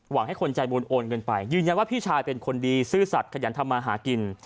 ให้คนใจบุญโอนเงินไปยืนยันว่าพี่ชายเป็นคนดีซื่อสัตว์ขยันทำมาหากิน